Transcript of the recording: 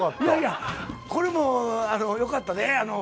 いやいやこれもよかったで。